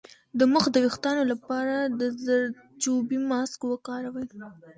د مخ د ويښتانو لپاره د زردچوبې ماسک وکاروئ